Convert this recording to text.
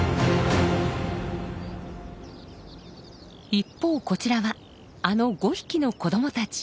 一方こちらはあの５匹の子どもたち。